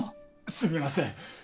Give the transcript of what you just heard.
すみません。